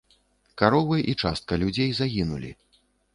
Каровы і частка людзей загінулі.